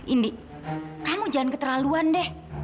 indi kamu jangan keterlaluan deh